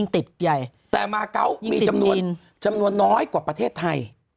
แต่มาเกาะมีจำนวนน้อยกว่าประเทศไทย